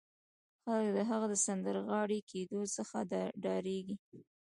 خلک د هغه د سندرغاړي کېدو څخه ډارېدل